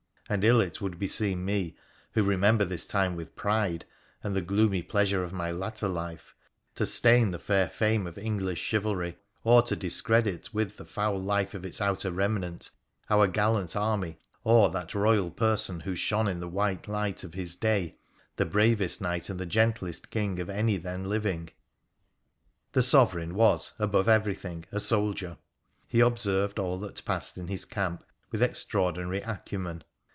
And ill it would beseem me, who remember this time with pride, and the gloomy pleasure of my latter life, to stain the fair fame of English chivalry or to discredit with the foul life of its outer remnant our gallant army or that Eoyal person who shone in the white light of his day, the bravest knight and the gentlest king of any then living. This sovereign was, above everything, a soldier. He observed all that passed in his camp with extraordinary acumen.